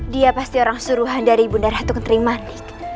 dia pasti orang suruhan dari bunda rahatu kenteriman